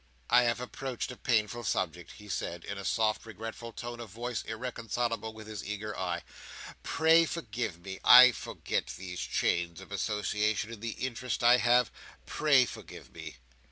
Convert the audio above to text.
"I have approached a painful subject," he said, in a soft regretful tone of voice, irreconcilable with his eager eye. "Pray forgive me. I forget these chains of association in the interest I have. Pray forgive me."